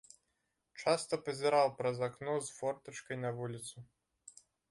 Часта пазіраў праз акно з фортачкай на вуліцу.